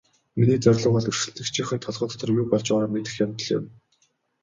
Миний зорилго бол өрсөлдөгчийнхөө толгой дотор юу болж байгааг мэдэх явдал юм.